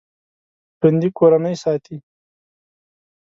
ژوندي کورنۍ ساتي